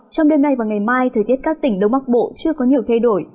trong đêm nay và ngày mai thời tiết các tỉnh đông bắc bộ chưa có nhiều thay đổi